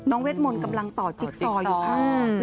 เวทมนต์กำลังต่อจิ๊กซออยู่ค่ะ